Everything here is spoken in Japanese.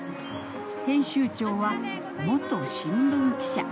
編集長は元新聞記者。